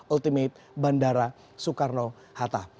ultimate bandara soekarno hatta